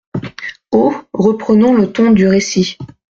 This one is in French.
Haut, reprenant le ton du récit.